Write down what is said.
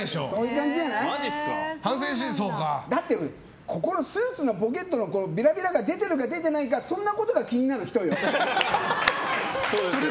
だって、スーツのポケットのビラビラが出ているか出ていないかそんなことが気になる人よ？